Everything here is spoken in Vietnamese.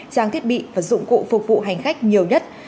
trang thiết bị và dụng cụ phục vụ hành khách nhiều nhất